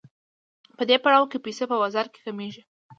په دې پړاو کې پیسې په بازار کې کمېږي